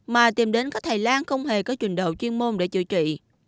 mà tìm đến các thầy lang không hề có trình độ chuyên môn để chữa trị